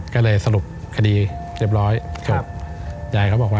ก็เลยสรุปคดีเรียบร้อยจบ